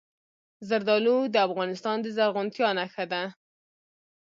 زردالو د افغانستان د زرغونتیا نښه ده.